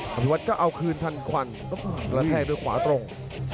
อภิวัตก็เอาคืนทันควันกระแทกด้วยขวาตรง